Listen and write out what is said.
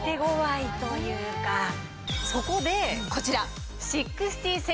そこでこちら。